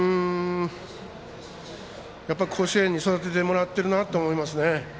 やっぱり甲子園に育ててもらっているなと思いますね。